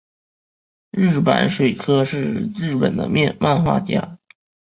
日坂水柯是日本的漫画家。